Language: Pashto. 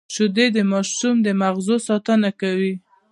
شیدې د ماشوم د مغزو ساتنه کوي